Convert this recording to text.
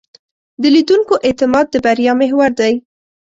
د لیدونکو اعتماد د بریا محور دی.